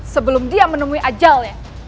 sebelum dia menemui ajalnya